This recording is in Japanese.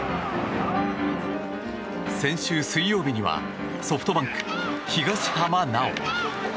先週水曜日にはソフトバンク、東浜巨。